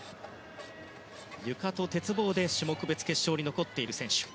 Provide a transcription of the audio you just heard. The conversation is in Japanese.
ゆかと鉄棒で種目別決勝に残っている選手。